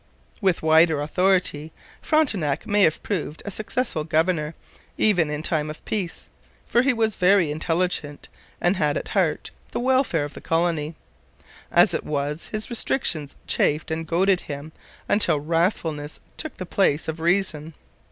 With wider authority, Frontenac might have proved a successful governor even in time of peace, for he was very intelligent and had at heart the welfare of the colony. As it was, his restrictions chafed and goaded him until wrathfulness took the place of reason.